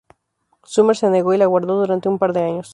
Summer se negó y la guardó durante un par de años.